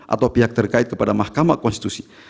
atau pihak terkait kepada mahkamah konstitusi